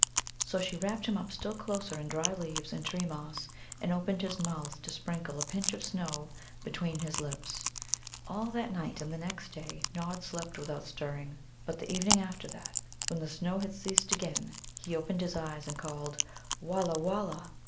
So she wrapped him up still closer in dry leaves and tree moss, and opened his mouth to sprinkle a pinch of snow between his lips. All that night and the next day Nod slept without stirring. But the evening after that, when the snow had ceased again, he opened his eyes and called "Wallah, wallah!"